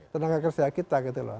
tenaga kerja kita gitu loh